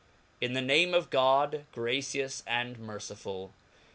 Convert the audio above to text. IN the name of God, gracious and mettifiifl.